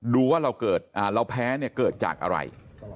ดูว่าเราแพ้เนี่ยเกิดจากอะไร